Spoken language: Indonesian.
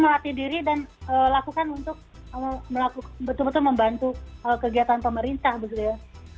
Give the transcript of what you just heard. melakukan betul betul membantu kegiatan pemerintah begitu ya